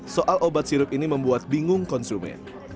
soal obat sirup ini membuat bingung konsumen